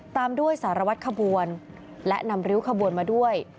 ตามด้วยสารวัตรขบวนและนำริ้วขบวนมาด้วย